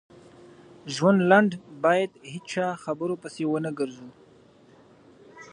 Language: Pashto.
ژوند لنډ بايد هيچا خبرو پسی ونه ګرځو